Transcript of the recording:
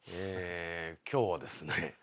今日はですね